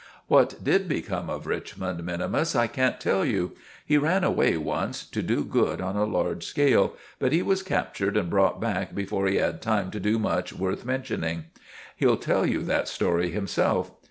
What did become of Richmond minimus I can't tell you. He ran away once, to do good on a large scale, but he was captured and brought back before he had time to do much worth mentioning. He'll tell you that story himself.